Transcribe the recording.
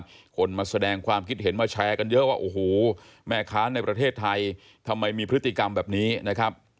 มีคนมาแสดงความคิดเห็นมาแชร์กันเยอะว่าโอ้โหแม่ค้าในประเทศไทยทำไมมีพฤติกรรมแบบนี้นะครับ